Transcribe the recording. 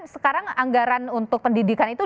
sekarang anggaran untuk pendidikan itu